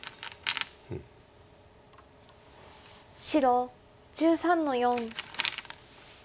白１３の四。